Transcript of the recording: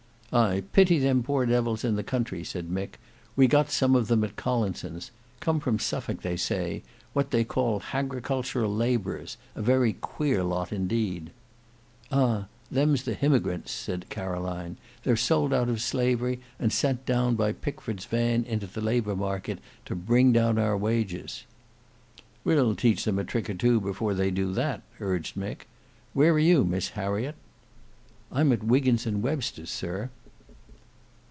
"I pity them poor devils in the country," said Mick; "we got some of them at Collinson's—come from Suffolk they say; what they call hagricultural labourers, a very queer lot, indeed." "Ah! them's the himmigrants," said Caroline; "they're sold out of slavery, and sent down by Pickford's van into the labour market to bring down our wages." "We'll teach them a trick or two before they do that," urged Mick. "Where are you, Miss Harriet?" "I'm at Wiggins and Webster's, sir."